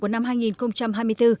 của năm hai nghìn hai mươi bốn